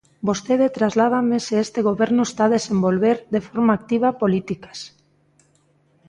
Vostede trasládame se este goberno está a desenvolver, de forma activa, políticas.